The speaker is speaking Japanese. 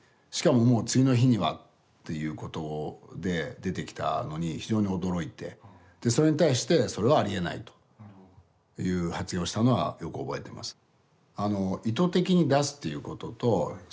しかももう次の日にはっていうことで出てきたのに非常に驚いてそれに対して「それはありえない」という発言をしたのはよく覚えてます。